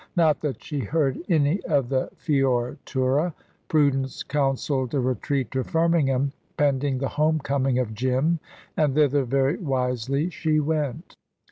Not that she heard any of the fiortura. Prudence counselled a retreat to Firmingham pending the home coming of Jim, and thither, very wisely, she went.